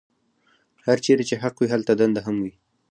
هرچېرې چې حق وي هلته دنده هم وي.